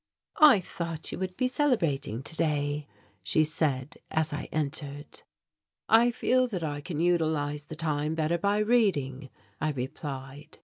"I thought you would be celebrating today," she said as I entered. "I feel that I can utilize the time better by reading," I replied.